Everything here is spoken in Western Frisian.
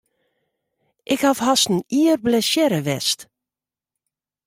Ik haw hast in jier blessearre west.